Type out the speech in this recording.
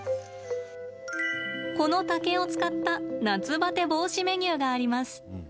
この竹を使った夏バテ防止メニューがあります。